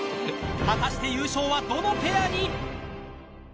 果たして優勝はどのペアに？